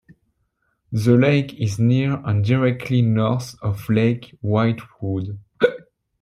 The lake is near and directly north of Lake Whitewood.